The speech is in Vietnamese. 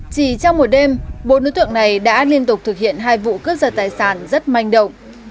chỉ trong một đêm bốn đối tượng này đã liên tục thực hiện hai vụ cướp giật tài sản rất manh động